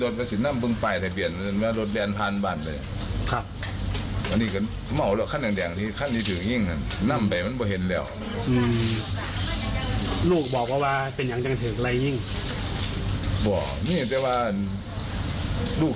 เดี๋ยวจะถามว่าเอาลูกเข้าไปกินก๋วยเตี๋ยวอยู่